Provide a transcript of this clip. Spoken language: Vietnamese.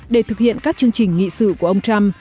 để thực hiện các chương trình nghị sự của ông trump